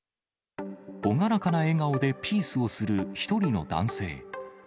朗らかな笑顔でピースをする１人の男性。